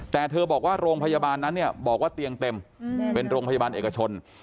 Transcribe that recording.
แต่เธอบอกว่าโรงพยาบาลนั้นเนี่ยบอกว่าเตียงเต็มเป็นโรงพยาบาลเอกชน